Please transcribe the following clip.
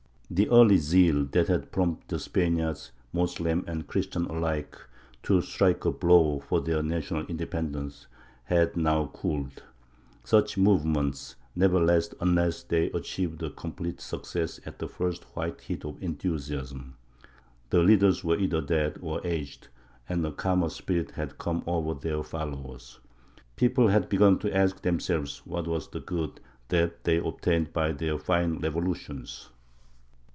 The early zeal that had prompted the Spaniards, Moslem and Christian alike, to strike a blow for their national independence, had now cooled, such movements never last unless they achieve a complete success at the first white heat of enthusiasm; the leaders were either dead or aged, and a calmer spirit had come over their followers. People had begun to ask themselves what was the good that they had obtained by their fine revolutions?